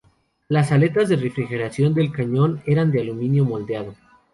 Las aletas de refrigeración del cañón eran de aluminio moldeado.